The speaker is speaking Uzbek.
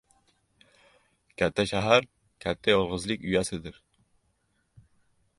• Katta shahar ― katta yolg‘izlik uyasidir.